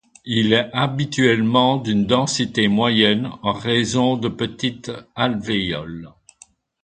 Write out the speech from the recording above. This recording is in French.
Il est habituellement d'une densité moyenne en raison de petites alvéoles.